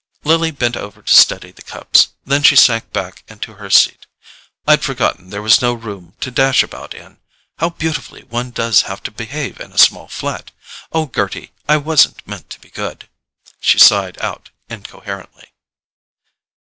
Lily bent over to steady the cups; then she sank back into her seat. "I'd forgotten there was no room to dash about in—how beautifully one does have to behave in a small flat! Oh, Gerty, I wasn't meant to be good," she sighed out incoherently.